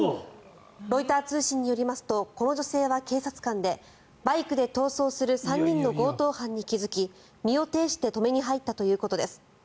ロイター通信によりますとこの女性は警察官でバイクで逃走する３人の強盗犯に気付き身を挺して止めに入ったということです。